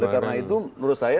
karena itu menurut saya